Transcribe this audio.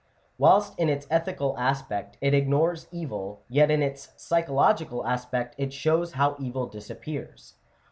Whilst in its ethical aspect it ignores evil, yet in its psychological aspect it shows how evil disappears.